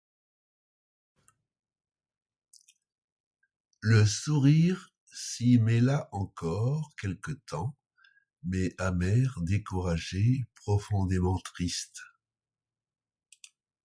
Le sourire s’y mêla encore quelque temps, mais amer, découragé, profondément triste.